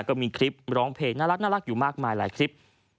ก็มีคลิปร้องเพลงน่ารักอยู่มากมายหลายคลิป